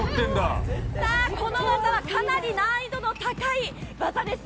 さあ、この技はかなり難易度の高い技です。